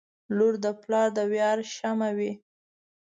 • لور د پلار د ویاړ شمعه وي.